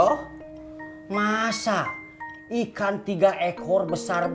kalau mau senyumin sih erin wonderful